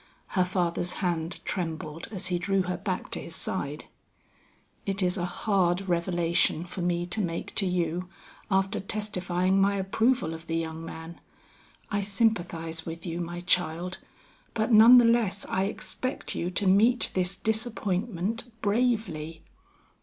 Her father's hand trembled as he drew her back to his side. "It is a hard revelation for me to make to you, after testifying my approval of the young man. I sympathize with you, my child, but none the less I expect you to meet this disappointment bravely.